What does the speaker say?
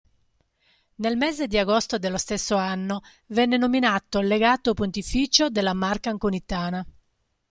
Nel mese di agosto dello stesso anno, venne nominato legato pontificio della Marca anconitana.